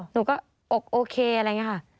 หนูก็โอเคอะไรอย่างนี้ค่ะ